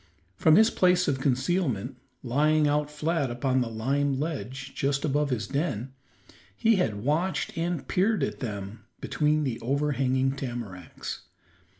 From his place of concealment, lying out flat upon the lime ledge just above his den, he had watched and peered at them between the overhanging tamaracks.